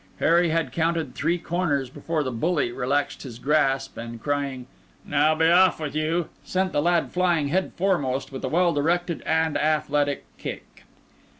Harry had counted three corners before the bully relaxed his grasp, and crying, "Now be off with you!" sent the lad flying head foremost with a well directed and athletic kick.